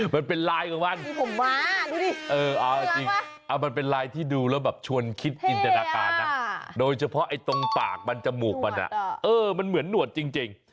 มันเป็นไลน์ของมันเออจริงมันเป็นไลน์ที่ดูแล้วแบบชวนคิดอินแต่ละกาลอ่ะโดยเฉพาะตรงปากมันจมูกมันอ่ะเออมันเหมือนหนวดจริง